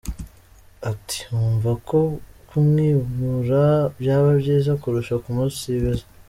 Ati “wumva ko kumwimura byaba byiza kurusha kumusibiza.